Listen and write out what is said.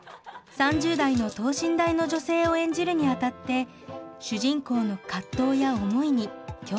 ３０代の等身大の女性を演じるにあたって主人公の葛藤や思いに共感したといいます。